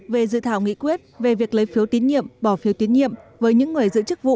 về dự thảo nghị quyết về việc lấy phiếu tín nhiệm bỏ phiếu tín nhiệm với những người giữ chức vụ